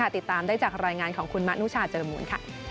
ติดตามได้จากรายงานของคุณมะนุชาเจอมูล